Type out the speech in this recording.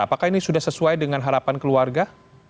apakah ini sudah sesuai dengan harapan keluarga